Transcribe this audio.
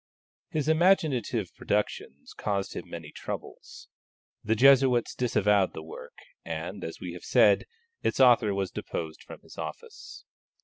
His imaginative productions caused him many troubles. The Jesuits disavowed the work, and, as we have said, its author was deposed from his office.